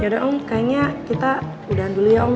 yaudah om kayaknya kita udahan dulu ya om